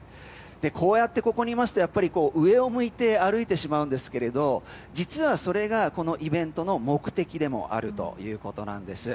こうやってここにいますと上を向いて歩いてしまうんですが実はそれがこのイベントの目的でもあるということなんです。